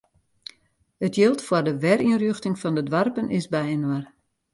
It jild foar de werynrjochting fan de doarpen is byinoar.